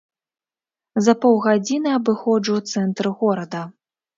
За паўгадзіны абыходжу цэнтр горада.